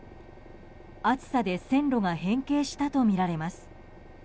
暑さで線路が変形したとみられます。